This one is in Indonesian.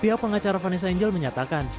pihak pengacara vanessa angel menyatakan